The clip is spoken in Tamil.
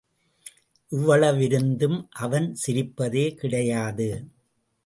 இவ்வளவிருந்தும், அவன் சிரிப்பதே கிடையாது.